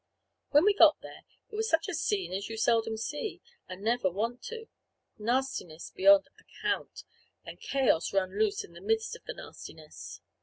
When we got there, it was such a scene as you seldom see, and never want to. Nastiness beyond account, and chaos run loose in the midst of the nastiness.